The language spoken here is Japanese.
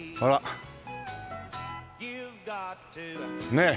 ねえ。